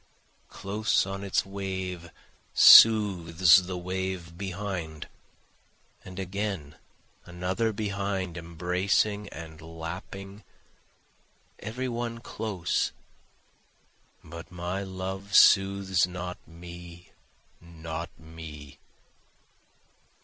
Close on its wave soothes the wave behind, And again another behind embracing and lapping, every one close, But my love soothes not me, not me.